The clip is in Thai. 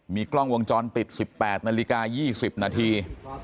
มีกล้องวงจรปิด๑๘นาฬิกา๒๐นาที